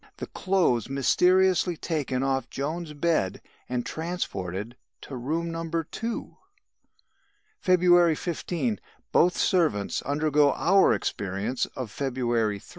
The clothes mysteriously taken off Joan's bed and transported to room No. 2. "February 15. Both servants undergo our experience of February 3.